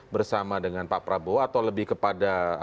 bersama dengan pak prabowo atau lebih kepada